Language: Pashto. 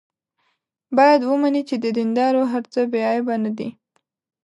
باید ومني چې د دیندارو هر څه بې عیبه نه دي.